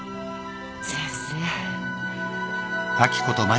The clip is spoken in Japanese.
先生。